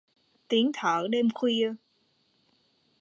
Tiếng thở đêm khuya